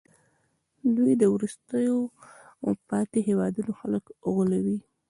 دوی د وروسته پاتې هېوادونو خلک غولوي